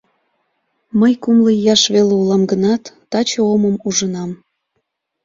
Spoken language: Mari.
Мый кумло ияш веле улам гынат, таче омым ужынам.